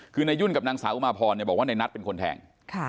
คือนายยุ่นกับนางสาวอุมาพรบอกว่าในนัทเป็นคนแทง